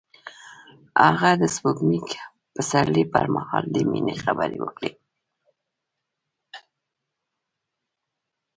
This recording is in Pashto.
هغه د سپوږمیز پسرلی پر مهال د مینې خبرې وکړې.